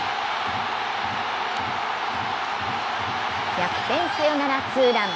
逆転サヨナラツーラン。